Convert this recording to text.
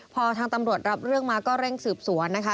พอทางตำรวจรับเรื่องมาก็เร่งสืบสวนนะคะ